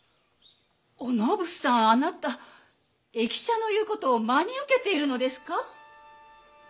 お信さんあなた易者の言うことを真に受けているのですか。